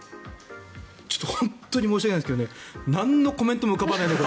ちょっと本当に申し訳ないですがなんのコメントも浮かばない。